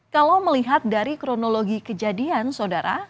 kalau melihat dari kronologi kejadian saudara